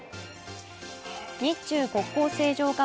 日中国交正常化